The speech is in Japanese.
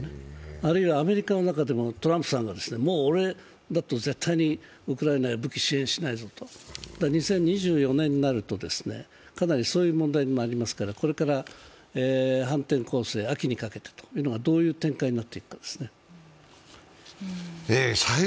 あるいはアメリカの中でもトランプさんがもう俺だと絶対にウクライナへ武器支援しないぞと２０２４年になると、かなりそういう問題になりますから、これから反転攻勢、秋にかけてどういう展開になっていくかですね。